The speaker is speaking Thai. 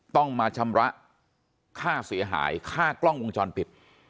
ต้องมาชำระค่าเสียหายค่ากล้องวงจรปิด